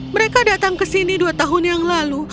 mereka datang ke sini dua tahun yang lalu